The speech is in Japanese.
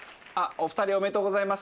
お二人おめでとうございます